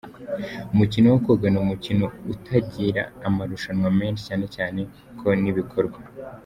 Umukino wo koga ni umukino utagira amarushanwa menshi cyane cyane ko n’ibikorwa.